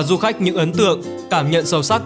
du khách những ấn tượng cảm nhận sâu sắc